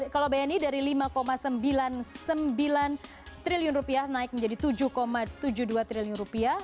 kalau bni dari lima sembilan puluh sembilan triliun rupiah naik menjadi tujuh tujuh puluh dua triliun rupiah